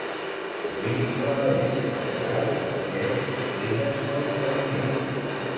Sovint la bellesa integral afegeix intrigues als familiars.